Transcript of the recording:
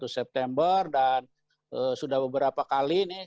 dua puluh satu september dan sudah beberapa kali ini